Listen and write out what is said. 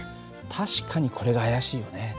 確かにこれが怪しいよね。